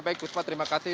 ya baik kuspa terima kasih